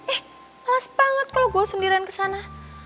eh males banget kalau gue sendirian kesana